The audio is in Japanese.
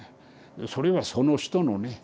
それはその人のね